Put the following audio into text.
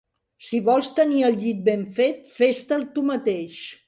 Si vols tenir el llit ben fet, fes-te'l tu mateix.